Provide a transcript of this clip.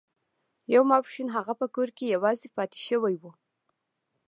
یو ماسپښین هغه په کور کې یوازې پاتې شوی و